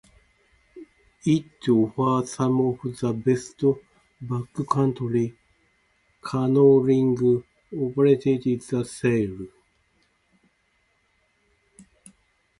It offers some of the best backcountry canoeing opportunities in the state.